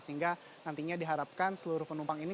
sehingga nantinya diharapkan seluruh penumpang ini